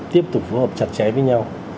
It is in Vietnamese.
tiếp tục phù hợp chặt cháy với nhau